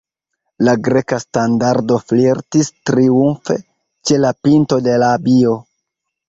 La Greka standardo flirtis triumfe ĉe la pinto de l' abio.